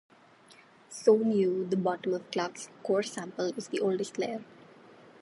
Zone U The bottom of Clark's core sample is the oldest layer.